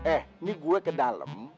eh ini gue ke dalam